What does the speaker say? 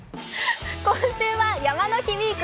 今週は「山の日ウィーク！